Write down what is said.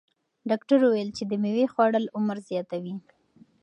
ډاکتر وویل چې د مېوې خوړل عمر زیاتوي.